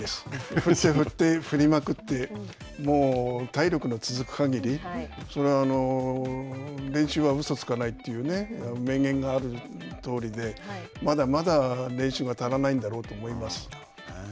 振って振って振りまくって体力の続く限り練習はうそつかないというね、名言があるとおりで、まだまだ練習が足りないんだろうと思います。